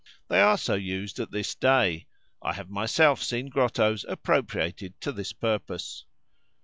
They are so used at this day. I have myself seen grottos appropriated to this purpose.